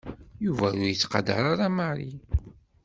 Yuba ur yettqadeṛ ara Mary.